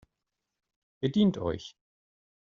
Bedient euch!